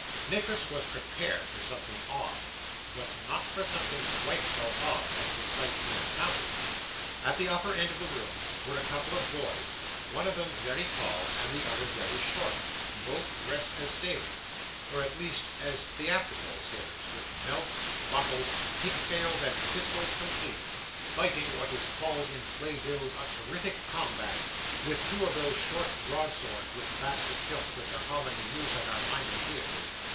Nicholas was prepared for something odd, but not for something quite so odd as the sight he encountered. At the upper end of the room, were a couple of boys, one of them very tall and the other very short, both dressed as sailors or at least as theatrical sailors, with belts, buckles, pigtails, and pistols complete fighting what is called in play bills a terrific combat, with two of those short broad swords with basket hilts which are commonly used at our minor theatres.